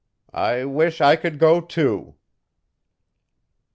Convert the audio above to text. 'I wish I could go, too.'